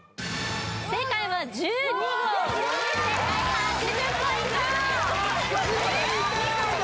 正解は「１２号」４人正解８０ポイント１２だ！